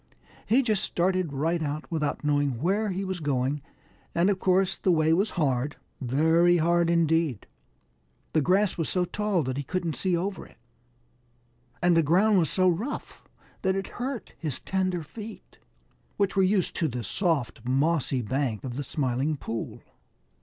He just started right out without knowing where he was going, and of course the way was hard, very hard indeed. The grass was so tall that he couldn't see over it, and the ground was so rough that it hurt his tender feet, which were used to the soft, mossy bank of the Smiling Pool.